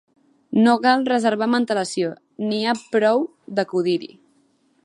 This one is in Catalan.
No cal reservar amb antelació, n’hi ha prou d’acudir-hi.